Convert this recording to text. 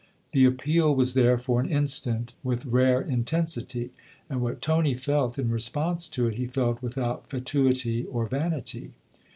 The appeal was there for an instant with rare intensity, and what Tony felt in response to it he felt without fatuity or vanity.